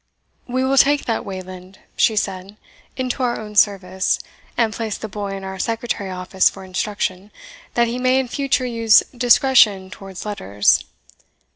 "We will take that Wayland," she said, "into our own service, and place the boy in our Secretary office for instruction, that he may in future use discretion towards letters.